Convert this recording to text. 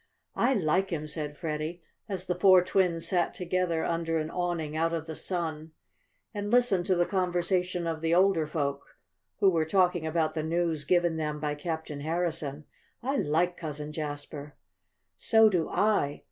"I like him," said Freddie, as the four twins sat together under an awning out of the sun, and listened to the conversation of the older folk, who were talking about the news given them by Captain Harrison. "I like Cousin Jasper!" "So do I.